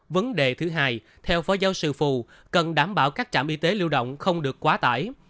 vấn đề thứ hai theo phó giáo sư phù cần đảm bảo các trạm y tế lưu động không được quá tải